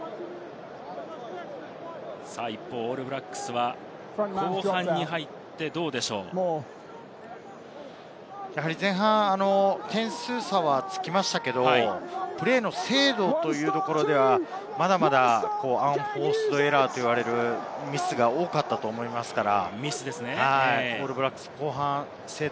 一方、オールブラックスは前半、点数差はつきましたけれど、プレーの精度というところではまだまだ、アンフォーストエラーと呼ばれるミスが多かったと思いますから。